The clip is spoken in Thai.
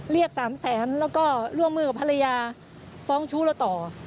เรียก๓แสนแล้วก็ร่วมมือกับภรรยาฟ้องชู้เราต่อ